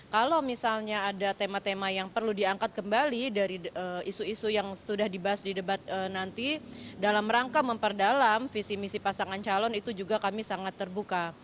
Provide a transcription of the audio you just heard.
kalau misalnya ada tema tema yang perlu diangkat kembali dari isu isu yang sudah dibahas di debat nanti dalam rangka memperdalam visi misi pasangan calon itu juga kami sangat terbuka